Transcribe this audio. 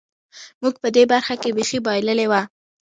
موږ په دې برخه کې بېخي بایللې وه.